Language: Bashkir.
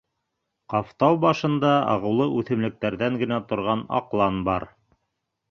Ҡафтау башында ағыулы үҫемлектәрҙән генә торған аҡлан бар.